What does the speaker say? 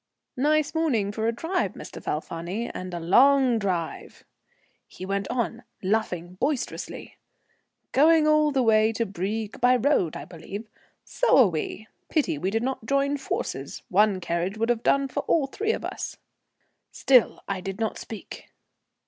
"Nice morning for a drive, Mr. Falfani, and a long drive," he went on, laughing boisterously. "Going all the way to Brieg by road, I believe? So are we. Pity we did not join forces. One carriage would have done for all three of us." Still I did not speak.